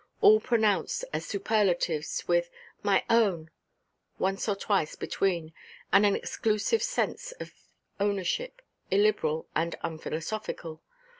all pronounced as superlatives, with "my own," once or twice between, and an exclusive sense of ownership, illiberal and unphilosophical.